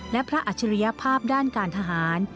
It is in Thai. และพระอัจฉริยภาพด้านการทหาร